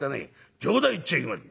『冗談言っちゃいけません。